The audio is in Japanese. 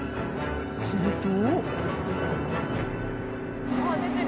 すると。